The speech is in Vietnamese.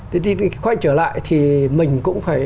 thì quay trở lại thì mình cũng phải